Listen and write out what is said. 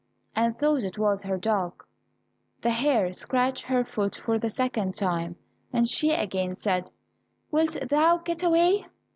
and thought it was her dog. The hare scratched her foot for the second time, and she again said, "Wilt thou get away?"